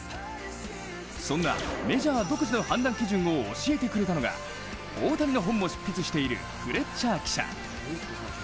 そんなメジャー独自の判断基準を教えてくれたのが、大谷の本も執筆しているフレッチャー記者。